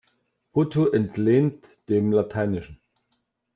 Brutto entlehnt dem Lateinischen.